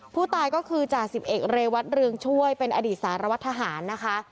ผู้ตายก็คือจ่าสิบเอกเรวัตเรืองช่วยเป็นอดีตสารวัตรทหารนะคะ